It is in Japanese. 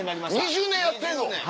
２０年やってんの！